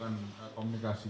ya nanti duplikasi